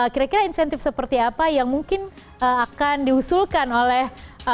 kira kira insentif seperti apa yang mungkin akan diusulkan oleh